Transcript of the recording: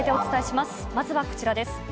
まずはこちらです。